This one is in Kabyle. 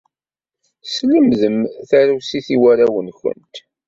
Teslemdem tarusit i warraw-nkent.